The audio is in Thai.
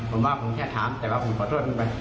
ผมว่าผมแค่ถามแต่ว่าผมขอโทษคุณไป